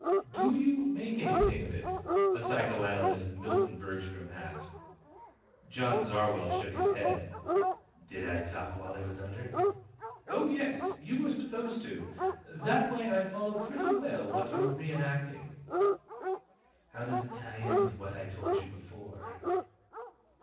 "Do you make anything out of it?" the psychoanalyst Milton Bergstrom, asked. John Zarwell shook his head. "Did I talk while I was under?" "Oh, yes. You were supposed to. That way I follow pretty well what you're reenacting." "How does it tie in with what I told you before?"